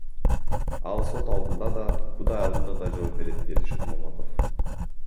Ал сот алдында да, Кудай алдында да жооп берет, — деди Шыкмаматов.